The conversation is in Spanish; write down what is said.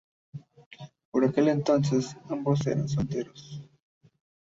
Por aquel entonces, ambos eran solteros.